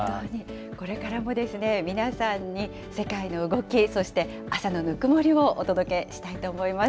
これからも皆さんに世界の動き、そして朝のぬくもりをお届けしたいと思います。